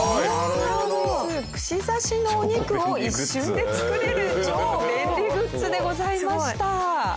串刺しのお肉を一瞬で作れる超便利グッズでございました。